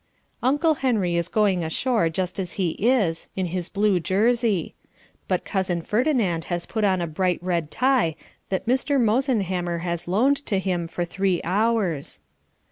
Uncle Henry is going ashore just as he is, in his blue jersey. But Cousin Ferdinand has put on a bright red tie that Mr. Mosenhammer has loaned to him for three hours.